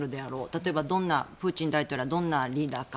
例えばプーチン大統領がどんなリーダーか。